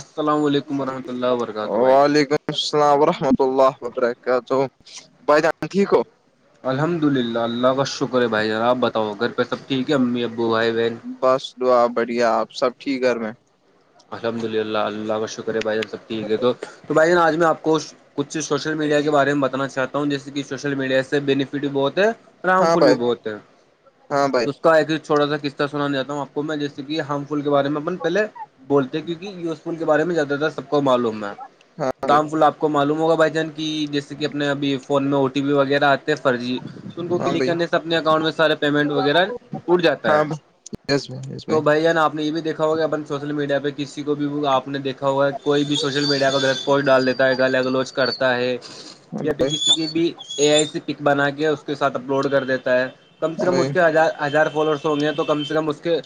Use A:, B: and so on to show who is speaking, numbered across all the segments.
A: السلام علیکم ورحمۃ اللہ وبرکاتہلہ
B: وعلیکم السلام ورحمۃ اللہ وبرکاتہ بان ٹھیک ہو
A: الحمد للہ اللہ کا شکر ہے بھائی جان آپ بتاؤ گھر پہ سب ٹھیک ہے امی ابو بھائی بہن
B: بس دعا بڑھیا آپ سب ٹھیک گھر میں
A: الحمد للہ اللہ کا شکر ہے بھائی جان سب ٹھیک ہے تو بھائی جان آج میں آپ کو کچھ سوشل میڈیا کے بارے میں بتان چاہتا ہوں جیسے کہ سوشل میڈیا سے بینیفٹ بھی بہت ہے ررم
B: ہاں
A: فل بھی
B: بھائی
A: بہت ہے
B: ہاں بھائی
A: تو اس کا ایک چھوٹا سا قسطہ سنان چاہتا ہوں آپ کو میں جس کہ ہارم فل کے بارے میں اپ پہلے بولتے ہیں کیونک یوزفل کے بارے میں زیادہ تر سب کو معلوم ہے
B: ہاں بھائی
A: تام فل آپ کو معلوم ہوگا بھائی جان کہ جیسے کہ اپنے ابھی فون میں او ٹی پی وغیرہ آتے فرضی تو ان کو
B: ہاں
A: کلک
B: بھائی
A: کرنے سے اپنے اکاؤنٹ میں سارا پیمنٹ وغیرہ اٹ جاتا
B: ہاں
A: ہے
B: بھائی یس بھائی یس
A: تو
B: بھائی
A: جان آپ نے یہ بھی دیکھا ہوگا اپن سوشل میڈیا پہ کسی کو بھیپ نے دیکھا کوئی بھی سوشل میڈیا کا غلط پوسٹ ڈال دیتا ہے گل گلوچ کرتا ہے یا پھر
B: ہاں
A: کسی کی بھی اے آئی سی پک بنا کے اس کے ساتھ اپلوڈ کر دیتا ہے کم سے کم
B: بھائی
A: اس کے ہز ہزار فالوورس ہوں گے ہیں تو کم سے کم اس کے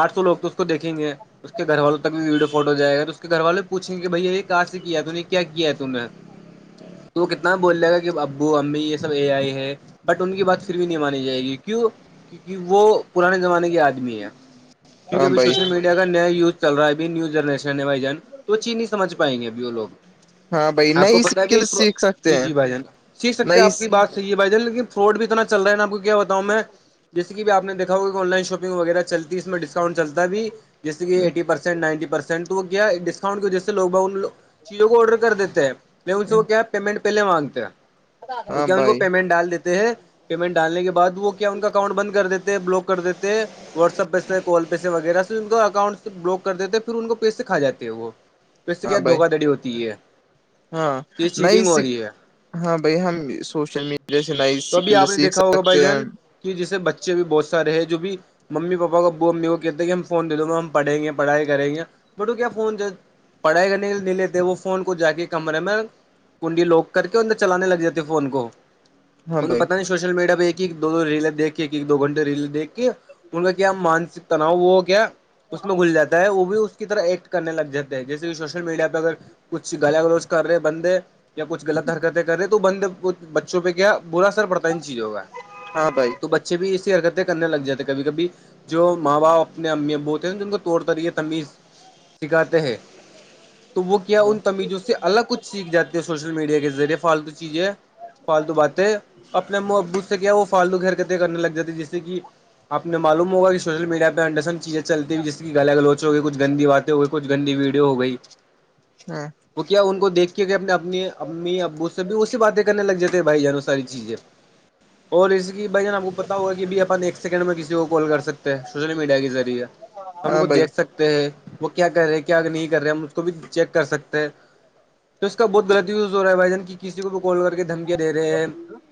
A: آٹھ سو لوگ تو اس کو دیکھیں گے اس کے گھر والوں تک بھی ویڈیو فوٹو جائے گا تو اس کے گھر والے بھی پوچیں گے بھائی یہ کہاں سے کیا ہے نے کیا ہے نے تو کتنا بول لے گا کہ ابو امی یہ سب اے آئی ہے بٹ ان کی بات پھر بھی نہیں مانی جائے گی کیوں کیونکہ وہ پرانے زمانے کے آدمی ہے کیونک
B: ہاں بھائی ہاں
A: اب
B: بھائی
A: سشل مییا اگر نیا یوز چل رہا ہےبھی نیو جنریشن ہے بائی تو چین نہیں سجھ پائیں گے ا وہوگ
B: ہاں بھائی
A: آپ کو
B: نئی
A: پتا ہے بھی
B: اسکل سیکھ سکتے
A: جی
B: ہیں
A: جی بھائی جان سیکھ سکتے
B: نئی
A: آپ کی بات ی بھائی ج لیکن فرڈ بھی اتنا چل رہا ہے آپ کو کیا بتاؤں میں جس بھی آپ نےیکھا ہو کہ آن لائن شاپنگ وغیرہ چلتی اس میں ڈسکؤنٹ چلتا بھی جیس کہ ایٹی پرسینٹ نائنٹی پرسینٹ س تو وہ کیا ڈسکاؤنٹ کی وجہ سے لوگ باگ چیزوں کو آرڈر کر دیتے ہیں ل ان سے وہ کیا پیمنٹ پہلے مانگتے ہیں تو
B: ہاں
A: کیا ان کو
B: بھائی
A: پیمنٹ ڈال دیتے ہیں پیمنٹ ڈالنے کے بع وہ کیا ان کا اکاؤنٹ بند کر دیتے ہیں بلاک کر دیتے واٹسپ پہس کوال پے سے وغیرہ سے ان کو اکاؤنٹ سے بلاک کر دیتے ہیں پھر ان کو پیس سے کھااتی ہے وہ توھر اس سے
B: ہاں
A: کیا
B: بھائی
A: دھوکا دڑی ہوتی ہے
B: ہاں
A: یہ چیٹنگ ہو
B: نسک
A: رہی ہے
B: ہاں بھائی ہم سوشل میڈیا سے نہیں س سیکھ سکتے ہیں
A: جسے بچے بھی بہت سارے ہیں جو بھی ممی پاپا کا وہ امی کو کہتے ہیں کہ ہم فون د دو گا ہم پڑھیں گے پڑھائی کریں گے بٹو کیا فون پڑھائی گ نہیں لے لیتے وہ فون کو جا کے کمرے میں کنڈی لوک کر کے اندر چلانے لگ جاتے فون کو
B: ہاں
A: انہیں
B: بھائی
A: پتا نہیں سوشل میڈیا پہ ایک ایک دو دو ریلیں دیک کے ایک دو گھنٹے ریل دیک کے ان کا کیا مانتے تناؤ وہ کیا اس میں گھل جاتا ہے وہ بھی اس کی طرح ایک کرنے لگ جاتے ہیں جیسے کہ سوشل میڈیا پہ اگر کچھ گلا گلوز کر رہے بندے یا کچھ غط حرکتیں کرے تو بند بچوں پہ کیا برا اثر پڑتا چیز ہوگا
B: ہاں بھائی
A: تو بچے بھی اسی حرکتیں کرنے لگ جاتے ہیں کبھی کبھی جو ماں باپ اپنے اممی ابوتے ہیں جن کو طور طریے تمیز سکھاتے ہیں تو وہ کیا ان تمیزوں سے الگ کچھ سیکھ جاتی ہیں سوشل میڈیا کے ذریعے فالتو چیزیں فالتو باتیں اپنے م ابوت سے کیا وہ فالتو گرکتیں کرنے لگ جاتی جیسے کہ آپ نے معلوم ہوگا اس سوشل میڈ پہ انڈر ہم چیزیں چلتیئی جیس کہ گلا گلوچ ہو گ کچھ گندی بات ہو گئی کچ گی ویڈیو ہو گئی [inaudible]
B: ہاں
A: تو کیا ان کو دیکھ کے کہ اپنے اپنی امی ابو سے بھی اسی باتیں کرنے لگ جاتے ہیں بھائی جانو ساری چیزیں اور اس کی بہان آپ کو پتا ہوا کہ بھی اپ ایک سیکنڈ میں کسی کو کال کر سکتے ہیں سوشل میڈیا کے ذریعے ہم
B: ہاں
A: کو
B: بھائی
A: دیکھ سکتے وہ کیا کر رہے کیا نہیں کر رہے ہم اس کو بھی چیک کر سکتے ہیں تو اس کا بہت غط یوز ہو رہا ہے بھائی جان کی کسی کو بھی کال کر کے دھمے دے رہے ہیں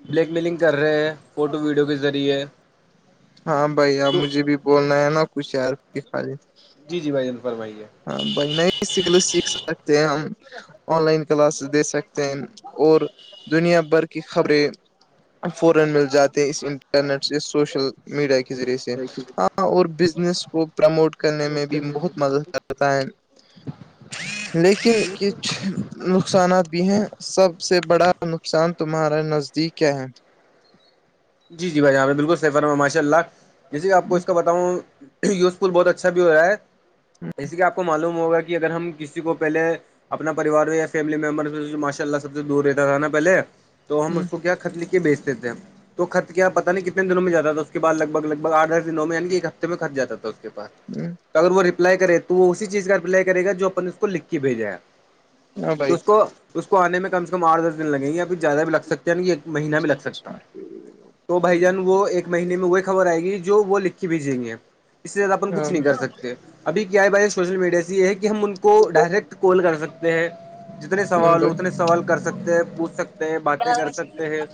A: بلیک میلنگ کر رہے ہیں فوٹو ویڈیو کے ذریعے
B: ہاں بھائی اب
A: تو
B: مجھے بھی بولنا ہے نا کچھ یار کی خالی
A: جی جی بھائی ج فرمائیے
B: ب نہیں اس سے سیکھ سکتے ہیں ہم [inaudible] آن لائن کلاسز دے سکتے ہیں اور دنیا بھر کی خبریں ا جائے گا فورا مل جاتے ہیں اس ٹینٹ سے سوشل [inaudible] میڈیا کے ذریعے سے
A: پروموٹ
B: ہاں اور بزنس کو پرموٹ کرنے میں بھی بہت مدد کر ہوتا ہے لیکن
A: ضرورت
B: کچھ
A: ہے
B: نقصانات بھی ہیں سب سے بڑا نقصان تمہارا نزدیک کیا ہے
A: جی جی بھائیاں بالکل سفر میں ماشاء اللہ جیے کہ آپ کو اس کا ب ہوں یوز فل بہت اچھا بھی ہو رہا ہے اسی کہ آپ معلوم ہوگا کہ اگر ہم کسی کو پہلے اپنا پریوار یا فیملی ممبر ماشاء اللہ سب سے دور رہتا تھا نا پہلے تو ہم
B: ہ
A: اس کو کیا خط ل کے بیچتے تھے تو خر کیا پہ نہیں کتنے دنوں میں جاتا تھا اس کے بع لگ بھ لگ بھ آھ دس دنوں میں یع کہ ایک ہفتے میں خرچ جاتا تھا اس کے پس
B: ج [inaudible]
A: تو اگر وہ ریپلائی کرے تو وہ اسی چیز کا رپلائی کرے گا جو اپ اس کو لکھ کے بھیجا ہے
B: ہاں
A: تو
B: بھائی
A: اس کو اس کو آنے میں کم سے کم آٹھ دس دن لگیں گے ابھی زیادہ بھی لگ سکتے ہیں نا ایک مہیین
B: [inaudible]
A: تو بھائی جان وہ ایک مہینے میں وہی خبر آئے گی جو وہ لکھ کے بھیجیں گے سے زیادہ اپ
B: ہاں
A: کچھ نہیں کر سکتے اب کیا آئی بات سوشل میڈیا سے یہ ہے کہ ہم ان کے کو ڈائریکٹ کال کر سکتے ہیں جتنے
B: ہاں
A: سوال ہو اتنے سوال کر سکتے ہیں پوچھ سکتے ہیں باتیں کر سکتے ہیں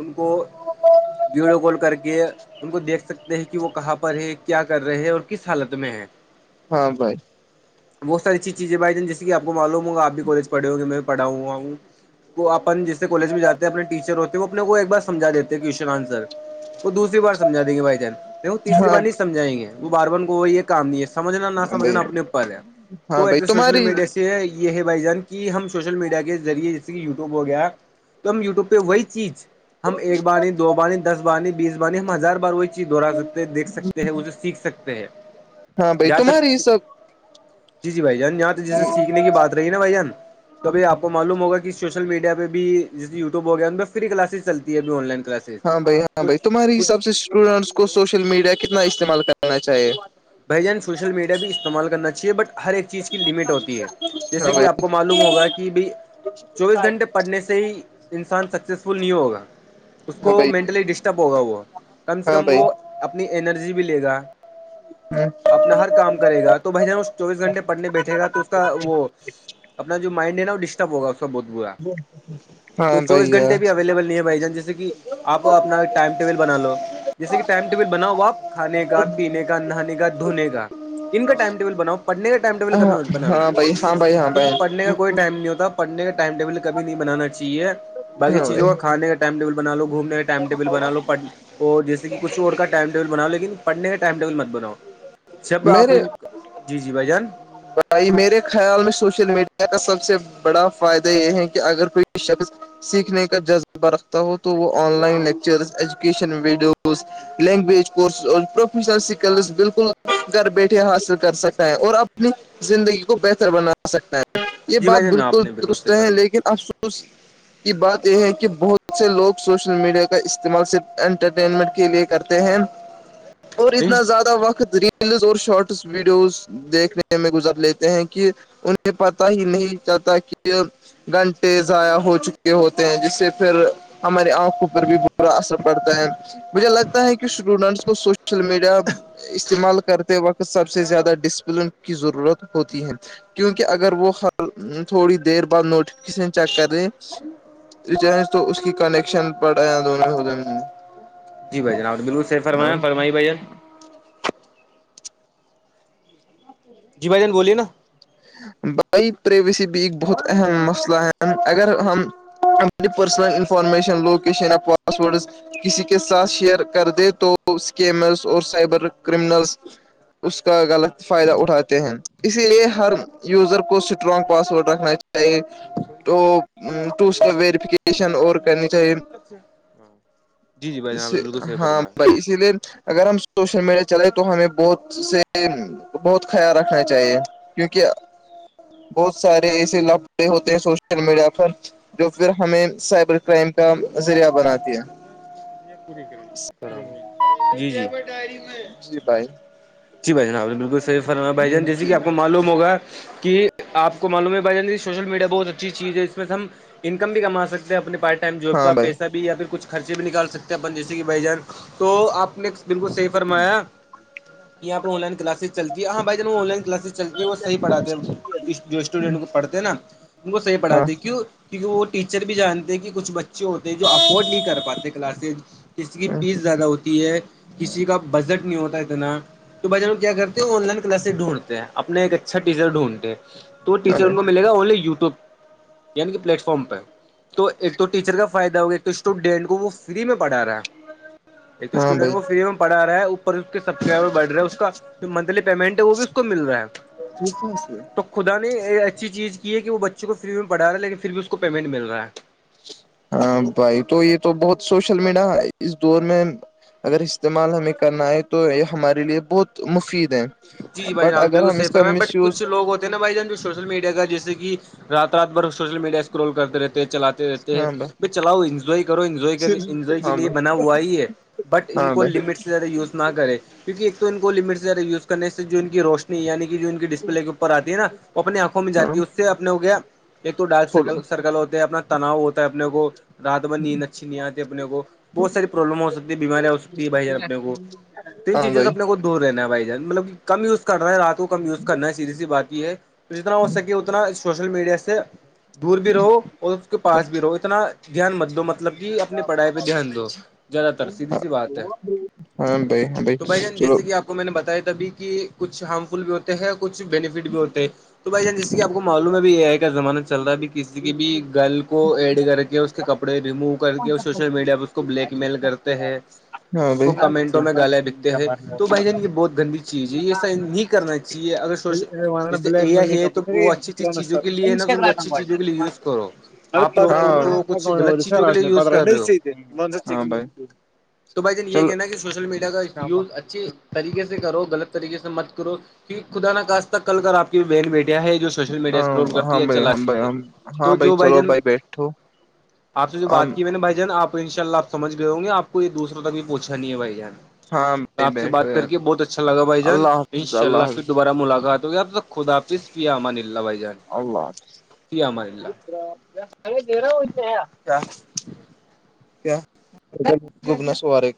A: ان کو ویڈیو کال کر کے ان کو دیکھ سکتے ہیں کہ وہ کہاں پر ہے کیا کر رہے ہیں اور کس حالت میں ہے
B: ہاں بھائی
A: بہت ساری چیز چیزیں بھائی ج جیسے کہ آپ کو معلوم ہوگا آپ بھی کالج پڑے ہوں گے میں پڑھا ہوں ہوں کو اپن جس کالج میں جاتے ہیں اپنے ٹیچر ہوتے وہ اپنے کو ایک بار سجھا دیتے ہیں کوشچن آنسر وہ دوسری بار سمجھا دیں گے بھائی جان دیکھو تیسری
B: ہاں
A: بار نہیں سمجائیں گے وہ بار بن کو وہ یہ کام نہیں ہے سمجھنا نہ
B: ہاں بھائی
A: سمجنا اپنے اوپر ہے
B: ہاں
A: تو ہے
B: بھائی
A: تو سوشل
B: تمہاری
A: میڈیا یہ ہے بھائی جان کہ ہم سوشل میڈیا کے ذریعے جیسے کہ یوٹیوب ہو گیا ہم یوٹیوب پہ وہی چیز ہم ایکار بانی دو بانی دس بانی بیس بانی ہم ہزار بار وہی چیز دہرا سکتے دھ سکتے ہیں اسے سیکھ سکتے ہیں
B: ہاں بھائی
A: یا ت [inaudible]
B: تمہاری سب
A: جی جی بھائی جان یہاں تو جیسے سیکھنے کی بات رہی نا بھائی جان توبھی آپ کو معلوم ہوگ کہ سوشل میڈیا پہ بھی جیے یوٹیو ہو گیا ان پہ فری کلاسز چلتی ہے اھی آن لائن کلاسز
B: ہاں بھائی ہاں بھائی
A: کچھ کچھ
B: تمہاریےساب سے اسٹوڈینٹس کو سوشل میڈیا کتنا استعمال کرنا چاہیے
A: بھائی جان سوشل میڈیا بھی استعمال کرنا چاہیے بٹ ہر ایک چیز کی لمٹ ہوتی ہے جیسے
B: ہاں
A: کہ
B: بھائی
A: آپ کو معلوم ہوگا کہ بھائی چوبیس گھنٹے پڑھنے سے ہی انسان سکسیزفل نہیں ہوگا اس
B: ہاں
A: کو
B: بھائی
A: مینٹلی ڈسٹرب ہوگا وہ کم سے
B: ہاں
A: کم
B: بھائی
A: وہ اپنی انرجی بھی لے گا
B: جی [inaudible]
A: اپنا ہر کام کرے گا تو بھائی جان چوبیس گھنٹے پڑھنے بیٹھے گا تو اس کا وہ اپنا جو مائنڈ ہے نا وہ ڈسٹرب ہوگا اس کا بہت برا تو
B: ہاں
A: چوبیس
B: بھائی
A: گھنٹے
B: ہاں
A: بھی اویلیبل نہیں ہے بھائی جان جیسے کہ آپ اپنا ایک ٹائم ٹیبل بنا لو جیسے کہ ٹائم ٹیبل بناؤ آپ کھے کا پینے کا نہانے کا دھونے گ کا ان کا ٹائم ٹیبل بناؤ پڑھنے کا ٹائم ٹیبل کابھی مت بنانا
B: ہاں
A: ہے
B: بھائی ہاں بھائی ہاں
A: کیونکہ
B: بھائی
A: پڑھنے کا کوئی ٹائم نہیں ہوتا پڑنے کا ٹائم ٹیبل کب نہیں بنانااہے باق
B: ہاں بھائی
A: چیزوں کا کھے کا ٹم ٹیبل بنا لو گومنے کا ٹم ٹیبل بنا لوڑ اور جیسے کہ کھ اور کا ٹائم ٹیبل بناؤ لن پڑھنے کاٹائم ٹیبل بنا بناؤ جب آپ
B: میرے
A: ان جی جی بھائی جان
B: بھائی میرے خیال میں سوشل میڈیا کا سب سے بڑا فائدہ یہ ہے کہ اگر کوئی شخص سیکھنے کا جذبہ رکھتا ہو تو وہ online lecture education videos language course اور پروفیشنل اسکلس بالکل گھر بیٹھے حاصل کر سکتا ہے اور اب اپنی زندگی کو بہتر بنا سکتا ہیں یہ
A: جی
B: بات
A: بھائی جان آپ
B: بالکل
A: نے
B: درست
A: صحیح
B: ہے لیکن
A: فرمایا
B: اب خوش [unintelligible] کی بات یہ ہے کہ بہت سے لوگ سوشل میڈیا کا استعمال صرف انٹرٹینمنٹ کے لیے کرتے ہیں
A: ہ [unintelligible]
B: اور اتنا زیادہ وقت ریلز اور شارٹس ویڈیوز دیکھنے گزر لیتے ہیں کہ انہیں پتا ہی نہیں چلتا کہ گھنٹے ضائع ہو چکے ہوتے ہیں جس سے پھر ہماری آنکھوں پر بھی برا اثر پڑتا ہے مجھے لگتا ہے کہ اسٹوڈنٹس کو سوشل میڈیا استعمال کرتے وقت سب سے زیادہ ڈسپلن کی ضرورت ہوتی ہے کیونکہ اگر وہ ہ تھوڑی دیر بعد نوٹیفکیشن چیک کر رہے ریچج تو اس کی کنیکشن پڑا یہاں دونوںودوں [unintelligible]
A: جی بھائی جناب بکل سر فرما فمائی بھائیان جی بائی جن بولی نا
B: بائ پرائیویسی بھی ایک بہت اہم مسئلہ ہے اگر ہم ہم پ پرسنل انفارمیشن لوکیشن ہے پاسوورڈس کسی کے ساتھ شیئر کر دے تو اسکیمرس اور سائبر کرمنلس اس کا غلط فائدہ اٹھاتے ہیں اسی لیے ہر یوزر کو اسٹرانگ پاسورڈ رکھنا چاہیے توٹ کا ویریفکیشن اور کرنی چاہیے
A: ہاں جی جی بھائی جان آپ نے بالکل صحیح
B: ہاں بھائی
A: فرمایا
B: اسی لیے اگر ہم سوشل میڈیا چلے تو ہمیں بہت سے بہت خیال رکھنا چاہیے بہت سارے ایسے لاپڑے ہوتے ہیں سوشل میڈیا پر جو پھر ہمیں سائبر کرائم کا ذریعہ بناتی ہے
A: م میں پور کر [unintelligible]
B: جی بھائی
A: جی بھائی جان آپ بالکل صحی فرما بھ جان جیس
B: جی
A: کہ آپ کو معلوم ہوگا کہ آپ کو معلوم ہے بھائی جان سوشل میڈیا بہت اچھی چیز ہے اس میں سے ہم انکم بھی کما سکتے ہیں اپنے پارٹ ٹائم جاب
B: ہاں
A: کا
B: بھائی
A: پیسہ بھی یا پھر کچھ خرچے بھی نکال سک ہیں اپن جیسے کہ بھائی جان تو آپ نے بالکل صحیح فرمایا یہاں پہ آن لائن کلاسز چلتی ہے ہاں بائی جان وہ آن لائن کلاسز چلتی ہے وہ صح پڑھاتے ہیں جو اسٹوڈنٹ کو پڑھتے ہیں نا ان کو صحیح
B: ہاں
A: پڑھاتے کیوں کیونکہ وہ ٹیچر بھی جانتے ہیں کہ کچھ بچے ہوتے جو ا افورڈ نہیں کر پاتے کلاسز جس کی فیس زیادہ ہوتی ہے کسی کا بجٹ نہیں ہوتا اتنا تو بھ کیا کرتے ہیں آن لائن کلاس ڈھونڈتے ہیں اپنا ایک اچھا ٹیچر ڈھونڈھتے
B: ارے
A: ٹیچروں کو ملے گا اونلی و وب یعنی کہ پلیٹ فارم پہ تو ایک تو ٹیچر کا فائدہ ہوگا ایک تو اسٹوڈینٹ کو وہ فری میں پڑھا رہا ہے ایک تو
B: ہاں
A: اسٹوڈنٹ
B: بھائی
A: کو فری میں پڑا رہا ہے اوپر اس کے سب سے بڑھ رہا ہے اس کا جو منتھلی پیمنٹ ہے وہ بھی اس کو مل رہا ہے تو خدا نے ایچسی چیز کی ہے کہ وہ بچوں کو فری میں پڑھا ہے لیکن پھر بھی اس کو پیمنٹ مل رہا ہے
B: ہاں بھائی تو یہ تو بہت سوشل میڈیا اس دور میں اگر استعمال ہمیں کرنا ہے تو یہ ہمارے لیے بہت مفید ہے
A: جی بھائی
B: بٹ
A: جب
B: اگر
A: بالکل
B: ہم
A: صی
B: اس کا
A: فرم ہے بٹ
B: مس یوز
A: کچ لوگ ہو نا بھائی جان جو سوشل میڈیا جیے کہ رات رات بھر سوشل میڈیا اسکرول کرتے رہتے ہیں چلاتے رہتے ہیں
B: ہاں
A: ب
B: بھائی
A: چلاؤ انجوائے کرو انجوائے انجوائے کے
B: ہاں
A: لیے
B: بھائی
A: بنا ہوا ہی ہے بٹ ان
B: ہاں
A: کو
B: بھائی
A: لمٹ سے زیادہ یوز نہ کرے کیونکہ ایک تو ان کو لمٹس وزنے سے جو ان کی روشنی یعنی کہ جو ان کی ڈسپلے کے اوپر آتی ہے نا وہ اپنی آنکھوں میں
B: ہاں
A: جاتی ہے اس سے اپنے ہو گیا ایک تو ڈارک
B: تھوڑا
A: سرکل سرکل ہوتا ہے اپنا تناؤ ہوتا ہے اپنے کو رات میں نیند اچھی نہیں آتی اپنے کو بہت ساری پرابلم ہو سکتی ہے بیمارییاں ہو سکتی ہے بھائی جان اپنے کو تین
B: ہاں
A: چیزیں سے
B: بھائی
A: اپنے کو دھور رہین ہے بھائی جان مطلب کم یوز کر رہے ہیں رات کم یوز کرنا ہے سیدھی سی بات یہ ہے تو جتنا ہو سکے اتنا سوشل میڈیا سے دور بھی رہو اور اس کے پاس بھی رہو اتنا دھیان مت دو مطلب کہ اپنی پڑھائی پہ دھیان دو زیادہ تر سیدھی سی بات ہے
B: ہاں بائی بائی
A: تو بھائی جان
B: چلو
A: جیسے کہ آپ میں نے بتایا تبھی کہ کچھ ہارم فل بھی ہوتے ہیں کچھ بینیفٹ بھی ہوتے ہیں تو بھائی جان جسے آپ کو معلوم ہے بھی یہ آئی کا زمہ چل رہا ہے بھی کسی کے بھی گل کو ایڈ کر کے اس کے کپڑے ریموو کر کے سوشل میڈیا پہ اس کو بلیک میل کرتے ہیں اس کو کمنٹوں میں گالے بکتے ہیں تو بھائی جان یہ بہت گندی چیز جی یہ س نہیں کرنا چاہیے اگر سوش جیسے اے آئی ہے تو وہ اچھی اھی چیزوں کے لیے نا تو ان کو اچھا ا چیز یوز کرو
B: ارے
A: آپ
B: پک
A: لوگ تو ان کو کچھ غلط
B: سر
A: چیزوں کے
B: راٹ
A: لیے یوز کر رہے ہو
B: پرس
A: تو بھائی جن یہ کہناا کہ سوشل میڈیا کا یز اچھی طریقے سے کرو غلط طریقے سے مت کرو ٹ خدا ن کااستہ کل کر آپ مین میڈیا ہے جو سوشل میڈیا
B: ہاں
A: اسکرول
B: ہاں
A: کرتی ہے
B: بھائی ہاں بھائی
A: چلاتی ہے
B: ہم ہاں
A: تو جو بھائی
B: چلو
A: جان
B: بیٹھو
A: آپ سے جو
B: ہم
A: بات کی میں نے بھائی جان آپ ان شاء اللہپ سمجھ گئے ہوں گے آپ کو یہ دوسروں تک بھی پوچھا نہیں ہے بائی جان
B: ہاں
A: تو
B: بھائی
A: آپ سے
B: بیٹھو
A: بات کر
B: یار
A: کے بہت اچھا لگا بھائی جان
B: اللہ
A: ان
B: حافظ
A: شاء اللہ پھر
B: حافظ
A: دوبارہ ملاقات ہوگی اب خدافظ پی امن اللہ بھائی جان
B: اللہ
A: فی امان اللہ
B: ح ا گگنا سے